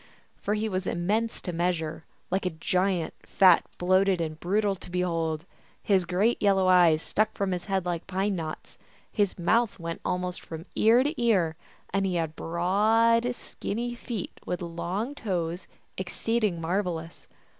For he was immense to measure, like a giant, fat, bloated, and brutal to behold. His great yellow eyes stuck from his head like pine knots, his mouth went almost from ear to ear, and he had broad, skinny feet with long toes, exceeding marvelous.